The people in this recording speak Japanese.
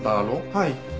はい。